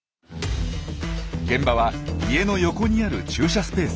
現場は家の横にある駐車スペース。